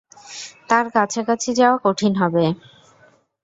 তার কাছাকাছি যাওয়া কঠিন হবে।